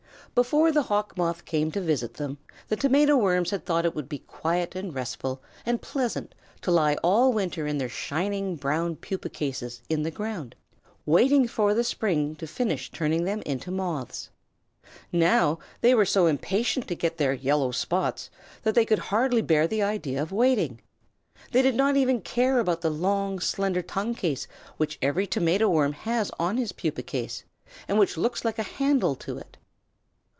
Before the Hawk Moth came to visit them, the Tomato Worms had thought it would be quiet, and restful, and pleasant to lie all winter in their shining brown pupa cases in the ground, waiting for the spring to finish turning them into Moths. Now they were so impatient to get their yellow spots that they could hardly bear the idea of waiting. They did not even care about the long, slender tongue case which every Tomato Worm has on his pupa case, and which looks like a handle to it.